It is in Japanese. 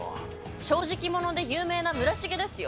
正直者で有名な村重ですよ？